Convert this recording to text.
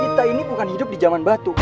kita ini bukan hidup di zaman batu